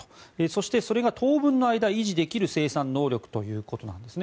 そして、それが当分の間維持できる生産能力ということです。